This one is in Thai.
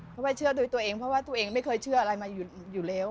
เพราะว่าเชื่อโดยตัวเองเพราะว่าตัวเองไม่เคยเชื่ออะไรมาอยู่แล้ว